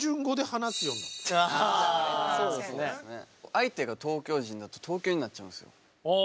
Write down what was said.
相手が東京人だと東京になっちゃうんですよ。